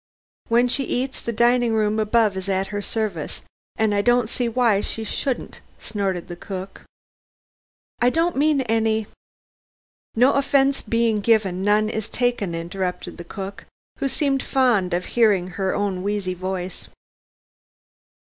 When she eats, the dining room above is at her service. An' I don't see why she shouldn't," snorted the cook. "I don't mean any " "No offence being given none is taken," interrupted cook, who seemed fond of hearing her own wheezy voice.